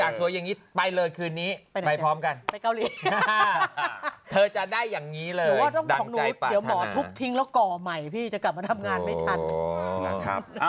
ทางคุมี็ววิดบิมาติกาหานะครับ